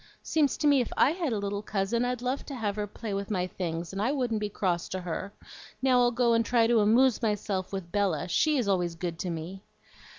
Seems to me if I had a little cousin, I'd love to have her play with my things, and I wouldn't be cross to her. Now I'll go and try to AMOOSE myself with Bella; SHE is always good to me."